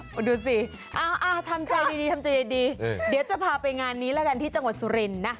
คุณดูสิทำใจดีทำใจดีเดี๋ยวจะพาไปงานนี้แล้วกันที่จังหวัดสุรินทร์นะ